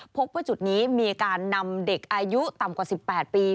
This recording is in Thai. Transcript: พบว่าจุดนี้มีการนำเด็กอายุต่ำกว่า๑๘ปี